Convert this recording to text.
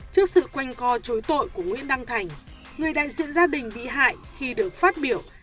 trước sự quanh co chối tội của nguyễn đăng thành người đại diện gia đình bị hại khi được phát biểu